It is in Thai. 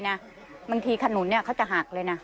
บางทีขนุนเขาจะหักเลยนะ